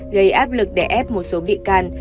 gây áp lực để ép một số bị can